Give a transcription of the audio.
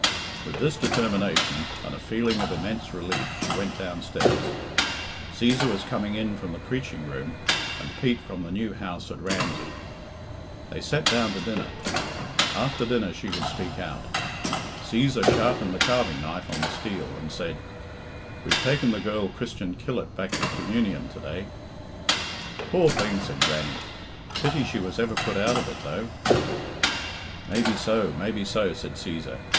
With this determination, and a feeling of immense relief, she went downstairs. Cæsar was coming in from the preaching room, and Pete from the new house at Ramsey. They sat down to dinner. After dinner she would speak out. Cæsar sharpened the carving knife on the steel, and said, "We've taken the girl Christian Killip back to communion to day." "Poor thing," said Grannie, "pity she was ever put out of it, though." "Maybe so, maybe no," said Cæsar.